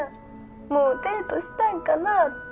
もうデートしたんかなって。